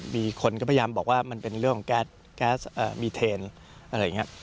มีคนก็พยายามบอกว่ามันเป็นเรื่องของแก๊สมีเทนอะไรอย่างนี้